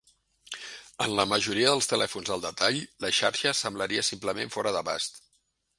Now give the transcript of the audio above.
En la majoria dels telèfons al detall, la xarxa semblaria simplement fora d'abast.